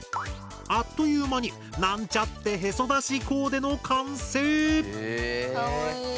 あっという間になんちゃってヘソだしコーデの完成！へ。